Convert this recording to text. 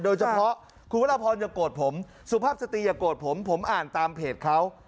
โดยเฉพาะคุณวรพรอย่าโกรธผมสุภาพสตรีอย่าโกรธผมผมอ่านตามเพจเขา